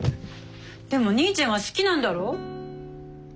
でも兄ちゃんは好きなんだろ？